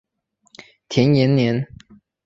田延年。